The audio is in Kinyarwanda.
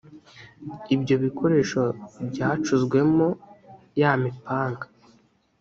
ibyo bikoresho byacuzwemo yamipanga